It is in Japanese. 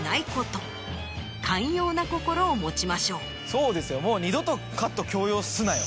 そうですよもう二度とカット強要すんなよ。